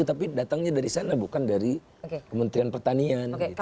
tapi datangnya dari sana bukan dari kementerian pertanian